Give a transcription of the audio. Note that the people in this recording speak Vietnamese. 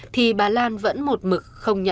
thì bà lan vẫn một mực